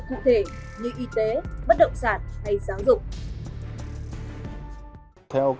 như y tế bất động sản hay giáo dục